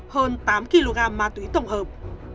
hơn tám kg má túy tổng hợp